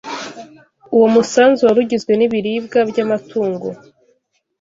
Uwo musanzu wari ugizwe n’ibiribwa by’amatungo